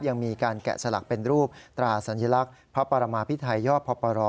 ยังมีการแกะสลักเป็นรูปตราสัญลักษณ์พระปรมาพิไทยย่อพปร